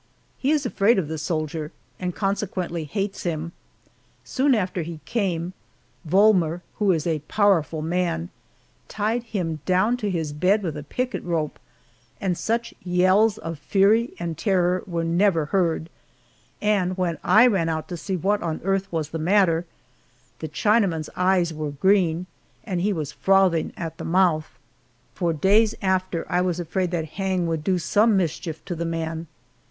He is afraid of the soldier, and consequently hates him. Soon after he came, Volmer, who is a powerful man, tied him down to his bed with a picket rope, and such yells of fury and terror were never heard, and when I ran out to see what on earth was the matter, the Chinaman's eyes were green, and he was frothing at the mouth. For days after I was afraid that Hang would do some mischief to the man.